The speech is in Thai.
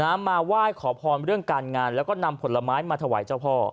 มาไหว้ขอพรเรื่องการงานแล้วก็นำผลไม้มาถวายเจ้าพ่อ